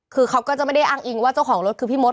คือเขาก็จะไม่ได้อ้างอิงว่าเจ้าของรถคือพี่มด